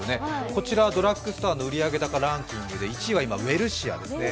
こちらドラッグストアの売上高ランキングで１位は今、ウエルシアですね。